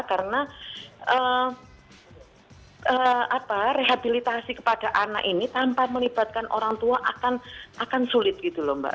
karena rehabilitasi kepada anak ini tanpa melibatkan orang tua akan sulit gitu loh mbak